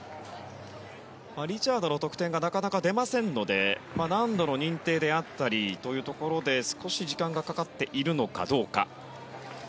リチャードの得点がなかなか出ませんので難度の認定であったりというところで少し時間がかかっているのかどうか。